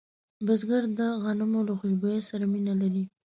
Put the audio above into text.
بزګر د غنمو له خوشبو سره مینه لري